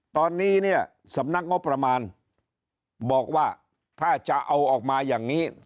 ตอนนี้เนี่ยสำนักงบประมาณบอกว่าถ้าจะเอาออกมาอย่างนี้